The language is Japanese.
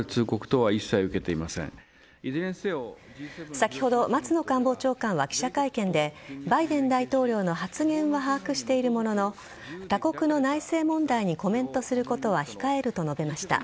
先ほど松野官房長官は記者会見でバイデン大統領の発言は把握しているものの他国の内政問題にコメントすることは控えると述べました。